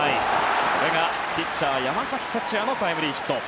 これがピッチャー、山崎福也のタイムリーヒット。